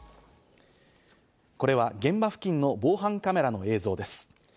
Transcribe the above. これは現場付近の防犯カメラの映像です。